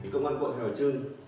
công an quận hai bà trưng